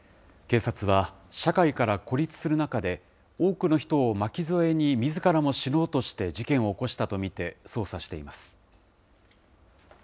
警察は、社会から孤立する中で、多くの人を巻き添えに、みずからも死のうとして事件を起こしたと見て、捜査しています。